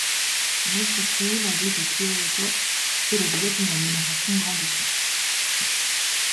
Mais surtout la ville de Kyōto fait l'objet d'une admiration grandissante.